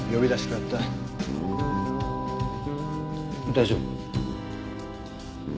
大丈夫？